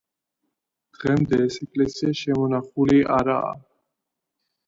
დღემდე ეს ეკლესია შემონახული არაა.